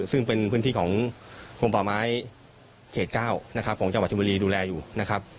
ซึ่งเป็นพื้นที่ของกรมป่าไม้เขต๙นะครับของจังหวัดชมบุรีดูแลอยู่นะครับ